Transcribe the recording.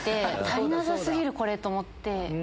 足りなさ過ぎるこれ！と思って。